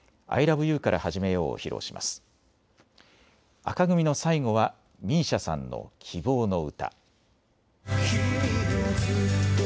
紅組の最後はＭＩＳＩＡさんの希望のうた。